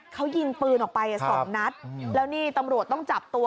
เขายิงปืนออกไปสองนัดแล้วนี่ตำรวจต้องจับตัว